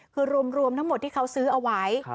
คือรวมทั้งหมดที่เขาซื้อเอาไว้